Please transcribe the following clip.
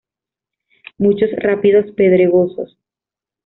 Muchos rápidos pedregosos.